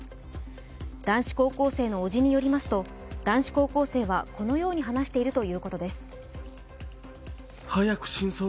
男子高校生のおじによりますと男子高校生はこのように話しているということです。